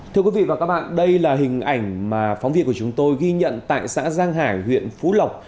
thưa quý vị và các bạn đây là hình ảnh mà phóng viên của chúng tôi ghi nhận tại xã giang hải huyện phú lộc